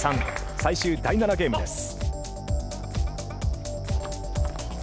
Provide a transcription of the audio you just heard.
最終第７ゲームです。